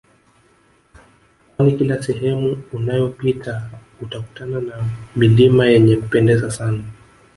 Kwani kila sehemu unayopita utakutana na milima yenye Kupendeza sana